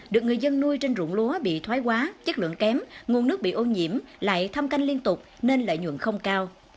được người dân nuôi trên rụng lúa bị thoái quá chất lượng kém nguồn nước bị ô nhiễm lại thâm canh liên tục nên lợi nhuận không cao